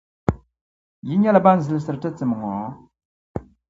Yi nyɛla ban zilisiri ti tim ŋɔ?